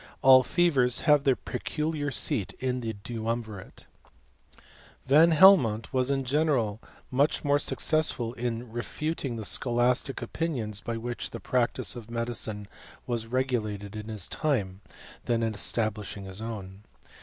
All fevers luive B peculiar seat in the duumvirate. i Van Helmont was in general much more succei in refuting the scholastic opinions by which the pral of medicine was regulated in his time, than in estafal ing" his own.